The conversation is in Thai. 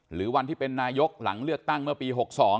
หรือวันที่เป็นนายกหลังเลือกตั้งเมื่อปี๖๒